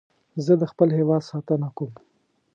زه د خپل هېواد ساتنه کوم